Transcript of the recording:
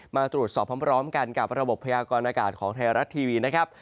มาตรวจสอบพร้อมกันกับระบบพยากรณากาศของไทยรัฐทีวีนะครับ